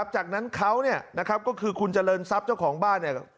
จากนั้นเขาเนี่ยนะครับก็คือคุณเจริญทรัพย์เจ้าของบ้านเนี่ย